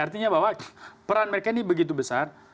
artinya bahwa peran mereka ini begitu besar